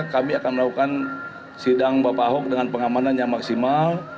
kami akan melakukan sidang bapak ahok dengan pengamanan yang maksimal